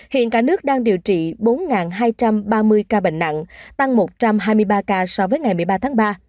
hiện cả nước đang điều trị bốn hai trăm ba mươi ca bệnh nặng tăng một trăm hai mươi ba ca so với ngày một mươi ba tháng ba